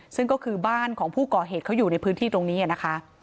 ซึ่งก็คือบ้านของผู้ก่อเหตุเขาอยู่ในพื้นที่ตรงนี้นะคะ